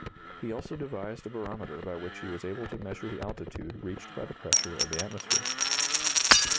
He also devised a barometer by which he was able to measure the altitude reached by the pressure of the atmosphere.